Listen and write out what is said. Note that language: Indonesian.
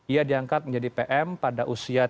ia diangkat menjadi pm pada usia tiga puluh